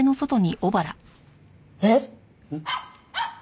えっ！？